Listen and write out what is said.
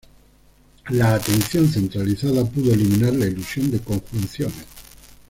La atención centralizada pudo eliminar la ilusión de conjunciones.